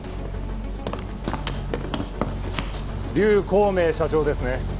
劉光明社長ですね？